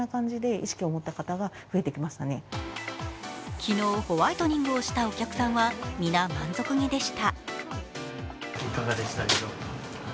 昨日、ホワイトニングをしたお客さんは、皆満足げでした。